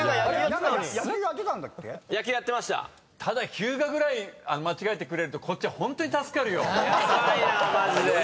ひゅうがぐらい間違えてくれるとこっちホントに助かるよ。